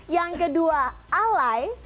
yang kedua alay